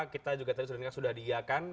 kita juga tadi sudah diiakan